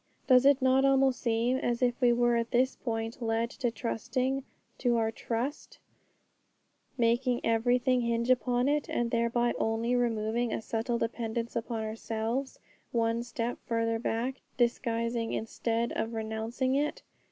Does it not almost seem as if we were at this point led to trusting to our trust, making everything hinge upon it, and thereby only removing a subtle dependence upon ourselves one step farther back, disguising instead of renouncing it?